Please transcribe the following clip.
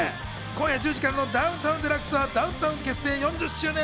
今夜１０時からの『ダウンタウンＤＸ』はダウンタウン結成４０周年